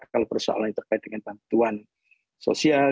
kalau persoalannya terkait dengan bantuan sosial